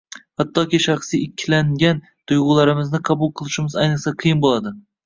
Hattoki shaxsiy “ikkinlangan” tuyg‘ularimizni qabul qilishimiz ayniqsa qiyin bo‘ladi.